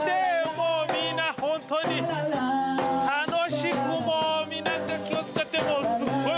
もうみんな本当に楽しくもうみんな楽器を使ってもうすごい！